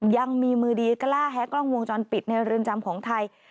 ยังมีมือดีกล้าแฮกล้องวงจรปิดในเรือนจำของไทย